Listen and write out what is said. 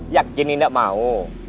yakin ini gak mau